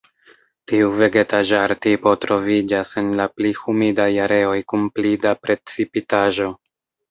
Tiu vegetaĵar-tipo troviĝas en la pli humidaj areoj kun pli da precipitaĵo.